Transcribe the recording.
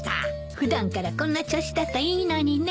普段からこんな調子だといいのにね。